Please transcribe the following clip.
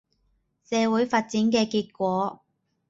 社會發展嘅結果